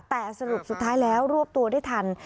แต่สรุปสุดท้ายแล้วรวบตัวได้ทัน